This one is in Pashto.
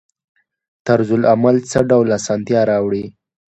طرزالعمل څه ډول اسانتیا راوړي؟